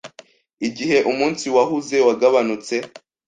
igihe umunsi wahuze wagabanutse